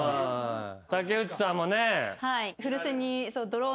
竹内さんもね。